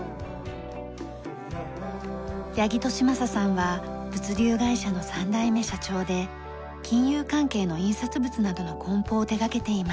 八木利昌さんは物流会社の３代目社長で金融関係の印刷物などの梱包を手掛けています。